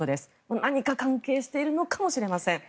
何か関係しているのかもしれません。